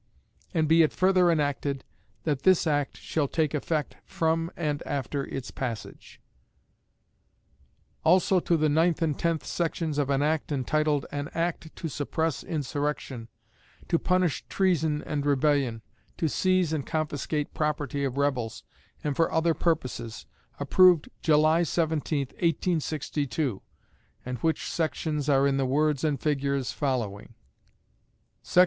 And be it further enacted, That this act shall take effect from and after its passage. Also to the ninth and tenth sections of an act entitled "An act to suppress insurrection, to punish treason and rebellion, to seize and confiscate property of rebels, and for other purposes," approved July 17, 1862, and which sections are in the words and figures following: SEC.